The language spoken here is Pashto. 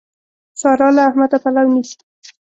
سارا له احمده پلو نيسي.